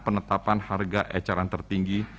penetapan harga ecaran tertinggi